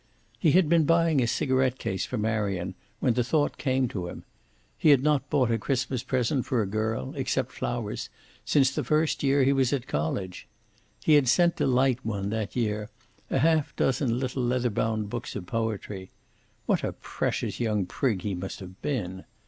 He had been buying a cigaret case for Marion when the thought came to him. He had not bought a Christmas present for a girl, except flowers, since the first year he was at college. He had sent Delight one that year, a half dozen little leather bound books of poetry. What a precious young prig he must have been!